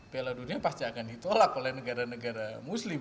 piala dunia pasti akan ditolak oleh negara negara muslim